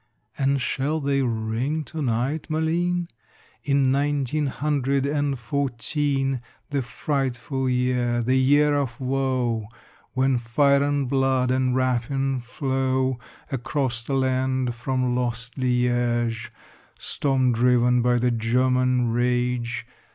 And shall they ring to night, Malines? In nineteen hundred and fourteen, The frightful year, the year of woe, When fire and blood and rapine flow Across the land from lost Liége, Storm driven by the German rage?